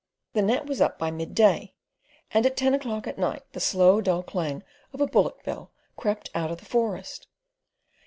The net was up by midday, and at ten o'clock at night the slow, dull clang of a bullock bell crept out of the forest.